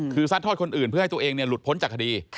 คือซัดทอดคนอื่นเพื่อให้ตัวเองหลุดพ้นจากคดี